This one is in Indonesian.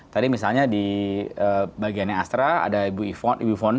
tadi misalnya di bagiannya astra ada ibu yvonne